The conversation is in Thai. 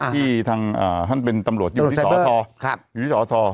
ที่ทางท่านเป็นตำรวจอยู่ที่สทอยู่ที่สท